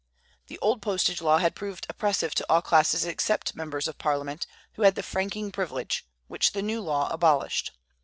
The old postage law had proved oppressive to all classes except members of Parliament, who had the franking privilege, which the new law abolished.